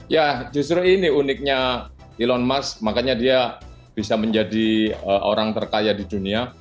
ya justru ini uniknya elon musk makanya dia bisa menjadi orang terkaya di dunia